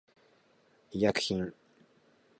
医薬品